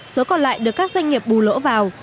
số còn lại được các doanh nghiệp bù lỗ vào